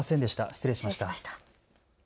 失礼しました。